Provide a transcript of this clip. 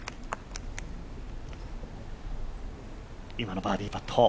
今のバーディーパット。